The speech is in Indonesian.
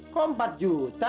kok empat juta